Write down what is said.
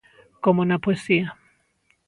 Como na poesía.